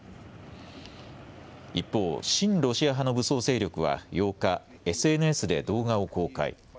一方、親ロシア派の武装勢力は８日、ＳＮＳで動画を公開。